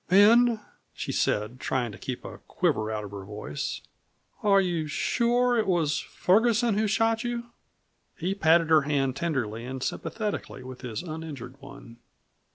"Ben," she said, trying to keep a quiver out of her voice, "are you sure it was Ferguson who shot you?" He patted her hand tenderly and sympathetically with his uninjured one.